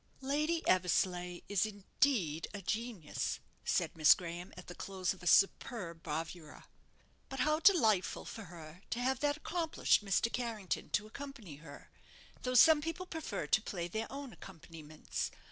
"Lady Eversleigh is indeed a genius," said Miss Graham, at the close of a superb bravura; "but how delightful for her to have that accomplished Mr. Carrington to accompany her though some people prefer to play their own accompaniments.